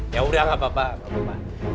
ya udah gak apa apa